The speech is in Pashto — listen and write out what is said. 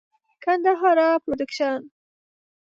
ګندهارا پروډکشن.